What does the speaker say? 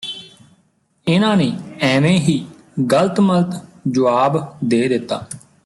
ਇਹਨਾ ਨੇ ਐਵੇਂ ਹੀ ਗਲਤ ਮਲਤ ਜੁਆਬ ਦੇ ਦਿੱਤਾ